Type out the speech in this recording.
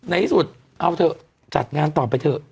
ในที่สุดเอาเถอะจัดงานต่อไปเถอะ